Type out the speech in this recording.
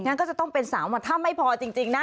งั้นก็จะต้องเป็น๓วันถ้าไม่พอจริงนะ